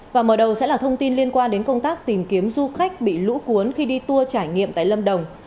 và mở đầu sẽ là thông tin liên quan đến công tác tìm kiếm du khách bị lũ cuốn khi đi tour trải nghiệm tại lâm đồng